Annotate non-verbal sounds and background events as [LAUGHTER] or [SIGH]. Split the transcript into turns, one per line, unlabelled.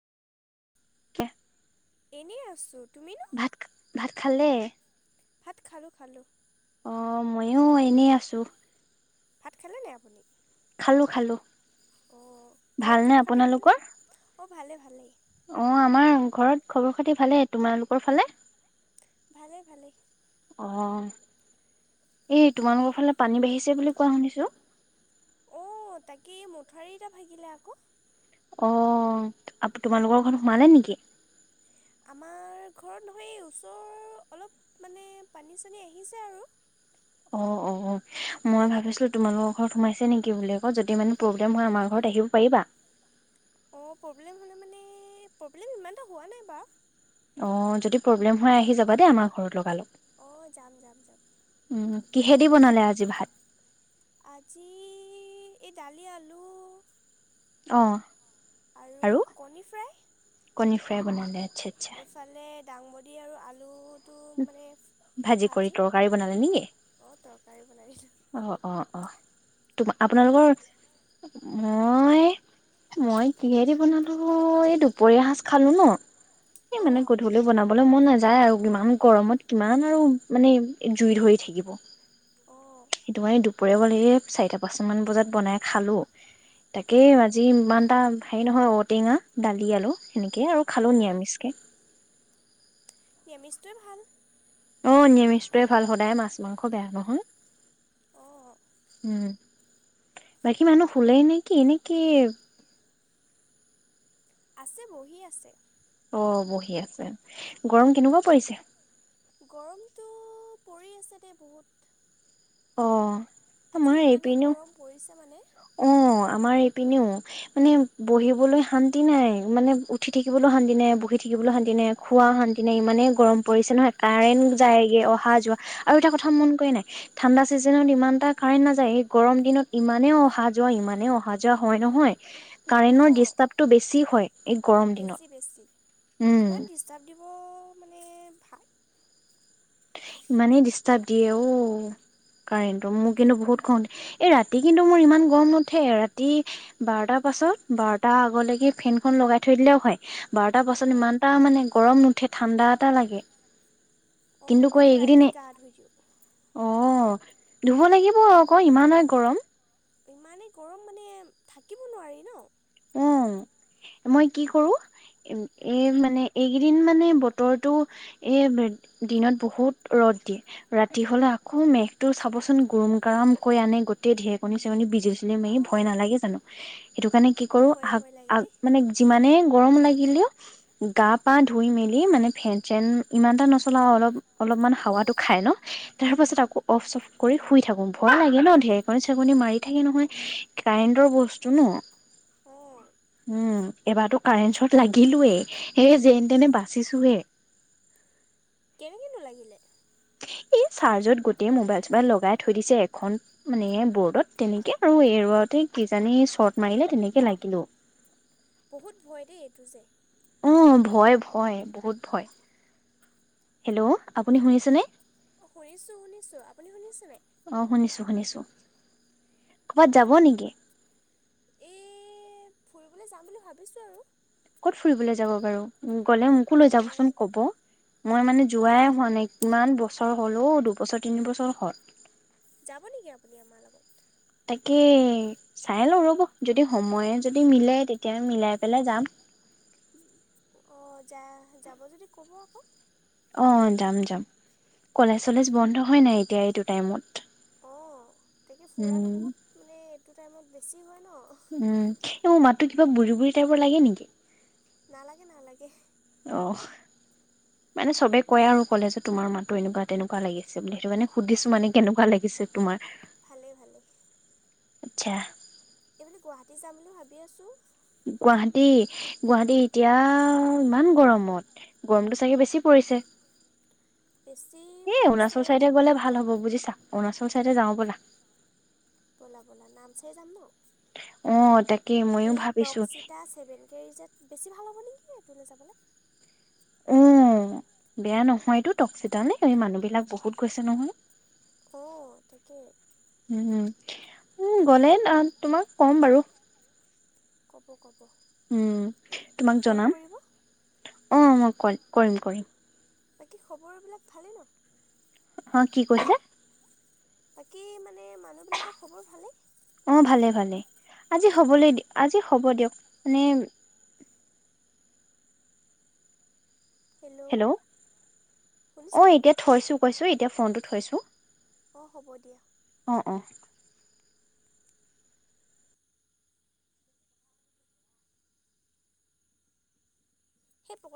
[UNINTELLIGIBLE]
এনেই আছো।
ভাত ভাত খালে?
ভাত খালো, খালোঁ।
অ ময়ো এনেই আছো।
ভাত খালেনে আপুনি?
খালোঁ খালোঁ,
অঁ ঘৰত
ভালনে
খবৰ খাতি ভালেই
আপোনালোকৰ?
অঁ ভালে ভালেই।
অ' আমাৰ ঘৰত খবৰ খাতি ভালে তোমালোকৰ ফালে?
ভালেই ভালে।
অ' এই তোমালোকৰ ফালে পানী বাঢ়িছে বুলি কোৱা শুনিছোঁ।
অ' তাকে মঠাৰি এটা ভাগিলে আকৌ।
অ' আ তোমালোকৰ ঘৰ সোমালে নেকি?
আমাৰ ঘৰত নহয় ওচৰ, অলপ মানে পানী চানী আহিছে আৰু।
অ' অ'। মই ভাবিছিলো তোমালোকৰ ঘৰত সোমাইছে নেকি বুলি ক যদি মানে প্ৰব্লেম হয় আমাৰ ঘৰত আহিব পাৰিবা। [INAUDIBLE]
অ' প্ৰব্লেম হ'লে মানে প্ৰব্লেম ইমান এটা হোৱা নাই বা।
অ' যদি প্ৰব্লেম হয় আহি যাবা দেই আমাৰ ঘৰত লগালগ।
অ' যাম যাম যাম।
উম, কিহেদি বনালে আজি ভাত?
আজি এই দালি আলু
অ'। আৰু,
কণী ফ্ৰাই
কণী ফ্ৰাই বনালে, আচ্ছা, আচ্ছা।
দাংগোডী আৰু আলু
ভাজি কৰি তৰকাৰী বনালে নিকি?
অঁ তৰকাৰী বনাই দিলোঁ
অ' অ' অ' তো
আপুনি
আপোনালোকৰ মই মই কিহেদি বনালো, এই দুপৰীয়া সাজ খালো ন। এ মানে
অঁ
গধূলিও বনাব মন নাযায় আৰু ইমান গৰমত কিমান আৰু মানে জুই ধৰি থাকিব।
অঁ
সেইটো মানে দুপৰীয়া গলে এই চাৰিটা পাঁচ মান বজাত বনাই খালো। তাকেই
অঁ
আজি ইমান এটা হেৰি নহয় ঔটেঙা দালি আলু সেনেকেই আৰু খালো নিৰামিষকে।
নিৰামিষ তোৱেই ভাল।
অ' নিৰামিষটোৱয়ে ভাল সদায় মাছ মাংস বেয়া নহয়।
অঁ
উম, বাকী মানুহ শুলেই নেকি নেকি
আছে বহি আছে।
অ' বহি আছে, গৰম কেনেকুৱা পৰিছে?
গৰমটো পৰি আছে দেই বহুত।
অ'।
আজি
আমাৰ
ইমানেই
এইপিনেও
গৰম পৰিছে মানে।
অ' আমাৰ এইপিনেও মানে বহিবলৈ শান্তি নাই মানে উঠি থাকিবলৈ শান্তি নাই বহি থাকিবলৈ শান্তি নাই খোৱা শান্তি নাই ইমানেই গৰম পৰিছে নহয়। কাৰেণ্ট
ইমানেই গৰম
যায়গে অহা
পৰিছে
যোৱা, আৰু এটা কথা মন কৰে নাই ঠাণ্ডা চিজনত ইমান এটা কাৰেন্ট নাযায় এই গৰম দিনত ইমানেই আহা যোৱা ইমানেই অহা যোৱা হয় নহয়। কাৰেণ্টৰ
অঁ
ডিষ্টাৰ্বটো বেছি হয় এই গৰম দিনত।
বেছি বেছি
উম
ইমান ডিষ্টাৰ্ব দিব? মানে ভা
ইমানেই ডিষ্টাৰ্ব দিয়ে অ' কাৰেণ্টটো মোৰ
কি
কিন্তু বহুত খং উঠে। এই ৰাতি কিন্তু মোৰ ইমান গৰম নুঠে, ৰাতি বাৰটাৰ
বাৰটা নটা আগলৈকে ফেনখন লগাই থৈ দিলেও হয়। বাৰটা অ'। ইমান এটা মানে গৰম নুঠে ঠাণ্ডা
পাছত বাৰটা আগলৈকে ফেনখন লগাই থৈ দিলেও হয়। বাৰটাৰ পাছত ইমান এটা মানে গৰম নুঠে ঠাণ্ডা এটা লাগে।
অ',
কিন্তু কৈ
মইতো
এইকেইদিন
ৰাতি
এ,
গা ধুই দিওঁ,
অ'। ধুব লাগিব আকৌ, ইমানেই গৰম।
ইমানেই গৰম মানে থাকিব নোৱাৰি ন'।
অ' মই কি কৰো এ, মানে এইকেইদিন মানে বতৰটো এ, দিনত বহুত ৰ'দ ৰ'দ দিয়ে ৰাতি হ'লে আকৌ মেঘটো চাবচোন গুৰম গাৰাম কৰি আনে গোটেই ঢেৰেকনী চেৰেকনি বি বিজুলী মাৰি ভয়
অ',
নালাগে জানো, সেইটো কাৰণে কি কৰোঁ,
ভয়
আগ
ভয় লাগে
আগ
দেই,
মানে যিমানেই গৰম লাগিলেও গা পা ধুই মেলি মানে ফেন চেন ইমান এটা নচলাও অলপ অলপ অলপ মান
অ',
হাৱাতো খাই লও তাৰ পাছত আকৌ অফ চফ কৰি শুই থাকো, ভয় লাগে ন' ডেৰেকণী চেৰেকণী মাৰি দি থাকে নহয়, কাৰেণ্টৰ বস্তু ন'।
অ'।
উম, এবাৰটো কাৰেন্ট চৰ্ট লাগিলোয়ে, সেই যেন তেনে বাচিছোহে।
কেনেকৈনো লাগিলে?
ইচ চাৰ্জত গোটেই মোবাইল চোবাইল লগাই থৈ দিছে এখন মানে ব'ৰ্ডত, তেনেকৈ আৰু এৰুৱাতে কিজানি শ্বৰ্ট মাৰিলে তেনেকে লাগিলোঁ।
বহুত ভয় দেই, এইটো যে
অ' ভয় ভয়, বহুত ভয়। হেল্ল' আপুনি শুনিছেনে?
অ' শুনিছোঁ শুনিছোঁ। আপুনি শুনিছে নাই?
অ' শুনিছোঁ শুনিছোঁ। ক'বাত যাব নেকি?
এ, ফুৰিবলৈ যাম বুলি ভাবিছোঁ আৰু।
ক'ত ফুৰিবলৈ যাব বাৰু? গ'লে মোকো লৈ
অ',
যাবচোন ক'ব, মই মানে
অ',
যোৱাই হোৱা নাই কিমান বচ বছৰ হ'ল অ' দুবছৰ তিন বছৰ হ'ল।
যাব নেকি আপুনি আমাৰ লগত?
তাকে চাই লওঁ ৰ'ব যদি সময়ে যদি মিলে তেতিয়া মিলাই পেলাই যাম।
অ' যা যাব যদি ক'ব আকৌ।
অ' যাম যাম। কলেজ চলেজ বন্ধ হয় নাই এতিয়া এইটো টাইমত?
অ' তাকে ফুৰাটো
উম
বহুত মানে এইটো টাইমত বেছি হয় ন'?
উম, এইবোৰ মাতটো কিবা বুঢ়ী বুঢ়ী টাইপৰ লাগে নেকি?
নালাগে নালাগে।
অ'। মানে চবে কয় আৰু ক'লে যে তোমাৰ মাতটো এনেুৱা তেনেকুৱা লাগিছে বুলি সেইটো মানে সুধিছোঁ মানে কেনেকুৱা লাগিছে। ছে তোমাৰ
ভালে ভালে।
আচ্ছা।
এই গুৱাহাটী যাম বুলি ভাবি আছোঁ।
গুৱাহাটী গুৱাহাটী এতিয়া ইমান গৰমত গৰমটো চাগে বেছি পৰি পিছে
বেছি
হেই
পৰিছে
অৰুণাচল চাইডে গলে ভাল হ'ব বুজিছা? অৰুণাচল চাইডে যাওঁ বলা।
ব'লা ব'লা নামচাই যাম ন'?
অ তাকে ময়ো
এই
ভাবিছো
টকছিকা চেভেন কেজ যে বেছি ভাল যেনেকে নেকি তলৈ যাবলে
উ বেয়া নহয়তো টকচিতানে এই মানুহ বিলাক বহুত গৈছে নহয়।
অ' থিকে।
উম উম, গ'লে তোমাক ক'ম বাৰু।
ক'ব ক'ব
উম, তোমাক
ফোন
জনাম
কৰিব
অ' মই ক কৰিম কৰিম।
বাকী খবৰবিলাক ভালেই ন।
অ' কি কৈছে।
বাকী মানে মানুহবিলাকৰ খবৰ ভালেই।
অ ভালে ভালে আজি হ'বলৈ দ
অঁ
আজি হ'ব দিয়ক মানে।
হেল্ল' শুনিছেনে
হেল্ল'অ'এতিয়া থয়ছো কয়ছো ফোনতো থয়ছো।
অ' হ'ব দিয়া। সেই [UNINTELLIGIBLE]